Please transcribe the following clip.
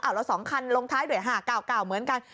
แล้ว๒คันลงท้ายด้วย๕๙๙เหมือนกัน